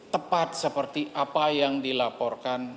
tepat seperti apa yang dilaporkan